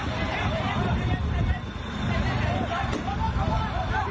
สวัสดีครับสวัสดีครับ